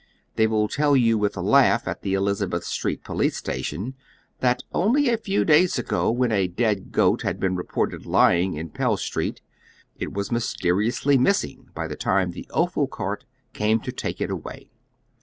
Tliey will tell yon with a laugh at the Elizabeth Street police station that only a few days ago when a dead goat had been reported lying in Pell Street it was mysterionsly missing by the time the offal cart came to take it away.